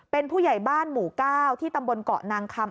เป็นผู้ใหญ่บ้านหมู่๙ที่ตำบลเกาะนางคำ